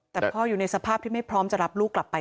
แต่พ่ออยู่ในสภาพที่ไม่พร้อมจะรับลูกกลับไป